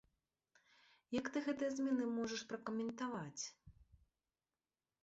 Як ты гэтыя змены можаш пракаментаваць?